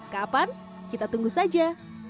kapan kita tunggu saja